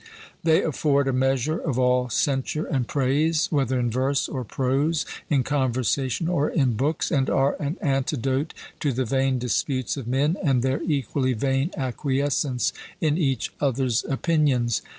They afford a measure of all censure and praise, whether in verse or prose, in conversation or in books, and are an antidote to the vain disputes of men and their equally vain acquiescence in each other's opinions.